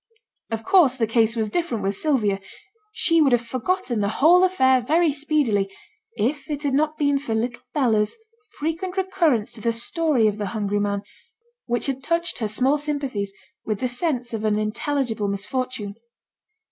Of course the case was different with Sylvia; she would have forgotten the whole affair very speedily, if it had not been for little Bella's frequent recurrence to the story of the hungry man, which had touched her small sympathies with the sense of an intelligible misfortune.